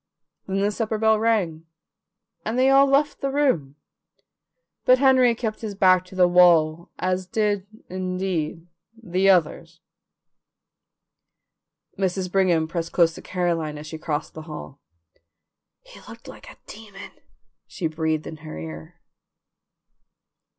Then the supper bell rang, and they all left the room, but Henry kept his back to the wall, as did, indeed, the others. Mrs. Brigham pressed close to Caroline as she crossed the hall. "He looked like a demon!" she breathed in her ear.